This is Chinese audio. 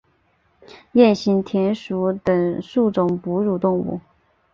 鼹形田鼠属等数种哺乳动物。